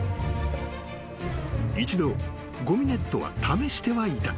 ［一度ごみネットは試してはいた。